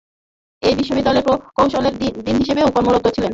এই বিশ্ববিদ্যালয়ের প্রকৌশলের ডীন হিসেবেও কর্মরত ছিলেন।